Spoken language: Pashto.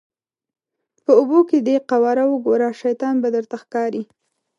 په اوبو کې دې قواره وګوره شیطان به درته ښکاري.